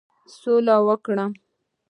سوله وکړم.